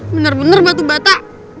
bener bener batu bata